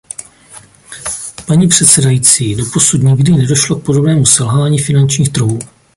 Paní předsedající, doposud nikdy nedošlo k podobnému selhání finančních trhů.